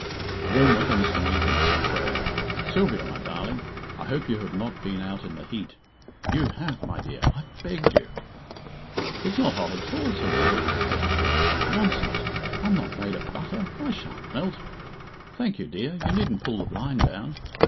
"Warm weather, Mr. Meekin," said Frere. "Sylvia, my darling, I hope you have not been out in the heat. You have! My dear, I've begged you " "It's not hot at all," said Sylvia pettishly. "Nonsense! I'm not made of butter I sha'n't melt. Thank you, dear, you needn't pull the blind down."